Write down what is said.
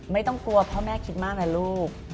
ไม่ต้องกลัวพ่อแม่คิดมากนะลูก